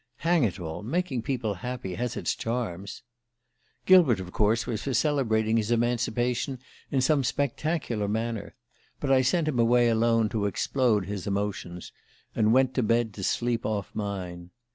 Hang it all, making people happy has its charms "Gilbert, of course, was for celebrating his emancipation in some spectacular manner; but I sent him away alone to explode his emotions, and went to bed to sleep off mine.